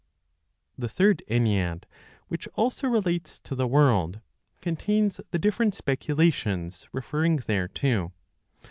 The Third Ennead, which also relates to the world, contains the different speculations referring thereto.